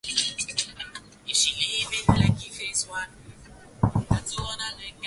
aliyefanikiwa kuzunguka sehemu kubwa ya nchi akiinadi Chama cha mapinduzi kwa kutumia staili ya